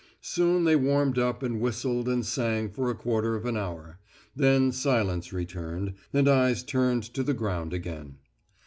Soon they warmed up and whistled and sang for a quarter of an hour; then silence returned, and eyes turned to the ground again.